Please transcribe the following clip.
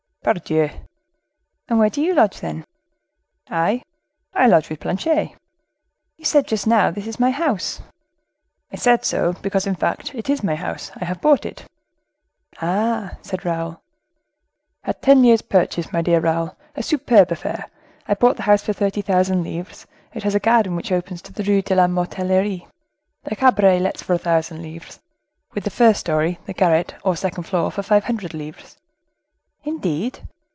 "Pardieu!" "And where do you lodge, then?" "I? I lodge with Planchet." "You said, just now, 'This is my house.'" "I said so, because, in fact, it is my house. I have bought it." "Ah!" said Raoul. "At ten years' purchase, my dear Raoul; a superb affair; I bought the house for thirty thousand livres; it has a garden which opens to the Rue de la Mortillerie; the cabaret lets for a thousand livres, with the first story; the garret, or second floor, for five hundred livres." "Indeed!"